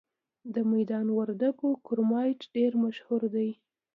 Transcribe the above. د میدان وردګو کرومایټ ډیر مشهور دی.